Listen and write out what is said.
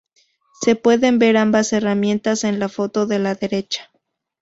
Se pueden ver ambas herramientas en la foto de la derecha.